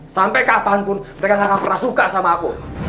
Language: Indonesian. sampai kapanpun mereka gak pernah suka sama aku